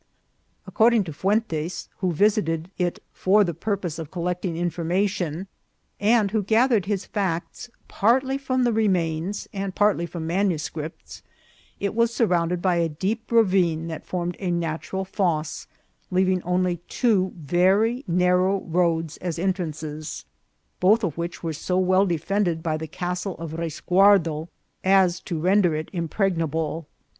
According to Fuentes, who visited it for the purpose of collecting information, and who gathered his facts partly from the remains and partly from manuscripts, it was surrounded by a deep ravine that formed a natural fosse, leaving only two very narrow roads as entrances, both of which were so well defended by the castle of Resguardo, as to render it impregnable.